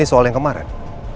ini soal yang kemarin